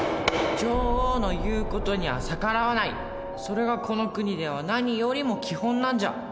女王の言う事には逆らわないそれがこの国では何よりも基本なんじゃ。